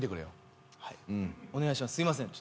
はいお願いします。